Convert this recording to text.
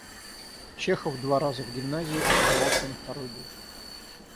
Чехов два раза в гимназии оставался на второй год.